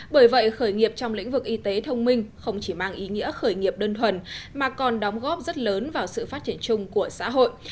bởi vậy khởi nghiệp trong lĩnh vực y tế thông minh không chỉ mang ý nghĩa khởi nghiệp đơn thuần mà còn đóng góp rất lớn vào sự phát triển chung của xã hội